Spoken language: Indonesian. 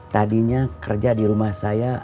tadinya kerja di rumah saya